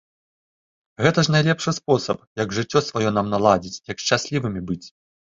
Гэта ж найлепшы спосаб, як жыццё сваё нам наладзіць, як шчаслівымі быць.